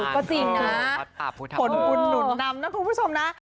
ก็จริงนะผลบุญหนุนนำนะคุณผู้ชมนะ